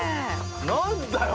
なんだよ？